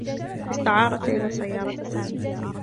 استعارت ليلى سيّارة سامي.